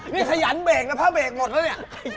นี่ขยันเบรกนะพระเบรกหมดแล้วเนี่ย